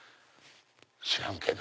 知らんけど。